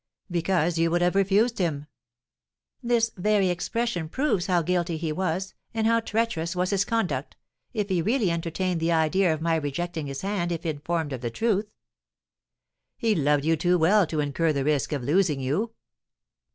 "Because you would have refused him." "This very expression proves how guilty he was, and how treacherous was his conduct, if he really entertained the idea of my rejecting his hand if informed of the truth!" "He loved you too well to incur the risk of losing you."